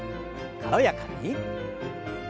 軽やかに。